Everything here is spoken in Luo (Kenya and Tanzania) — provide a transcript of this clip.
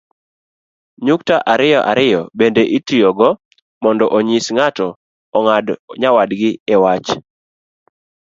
nyukta ariyo ariyo bende itiyogo mondo onyis ni ng'ato ong'ado nyawadgi iwach